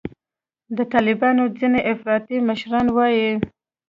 د طالبانو ځیني افراطي مشران وایي